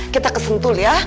kita kesentul ya